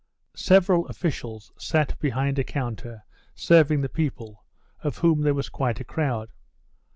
Several officials sat behind a counter serving the people, of whom there was quite a crowd.